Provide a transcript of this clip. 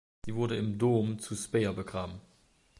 Sie wurde im Dom zu Speyer begraben.